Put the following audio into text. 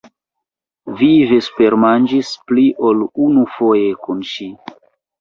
Vi vespermanĝis pli ol unufoje kun ŝi.